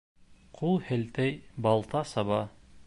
Ҡул һелтәй, балта саба.